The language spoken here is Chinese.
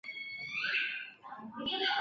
纹状体是端脑皮质下的一部份。